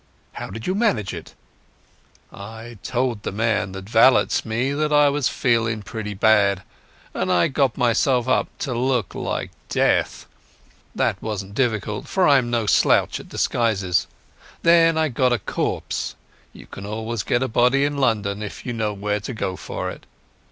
"How did you manage it?" "I told the man that valets me that I was feeling pretty bad, and I got myself up to look like death. That wasn't difficult, for I'm no slouch at disguises. Then I got a corpse—you can always get a body in London if you know where to go for it.